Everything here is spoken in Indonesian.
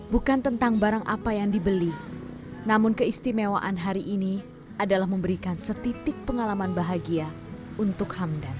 bukan tentang barang apa yang dibeli namun keistimewaan hari ini adalah memberikan setitik pengalaman bahagia untuk hamdan